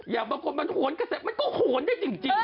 อยากบอกว่ามันหวนกระแสมันก็หวนได้จริง